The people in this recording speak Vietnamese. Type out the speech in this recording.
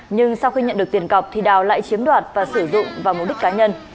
nhưng sau khi nhận được tiền cọc thì đào lại chiếm đoạt và sử dụng vào mục đích cá nhân